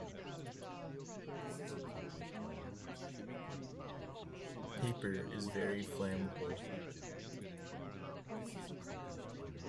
Paper is very flammable.